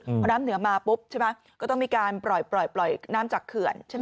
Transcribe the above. พอน้ำเหนือมาปุ๊บใช่ไหมก็ต้องมีการปล่อยปล่อยน้ำจากเขื่อนใช่ไหม